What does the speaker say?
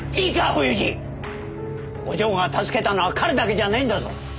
お嬢が助けたのは彼だけじゃねえんだぞ！